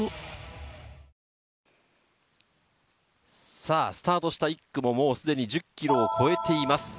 さぁ、スタートした１区ももう１０ｋｍを超えています。